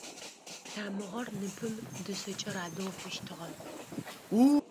Тамыгъэр ныпым дышъэкӏэ радэу хъущтыгъэ.